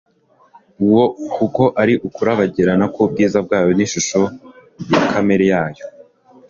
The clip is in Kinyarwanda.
uwo kuko ari ukurabagirana k'ubwiza bwayo n'ishusho ya kamere yayo.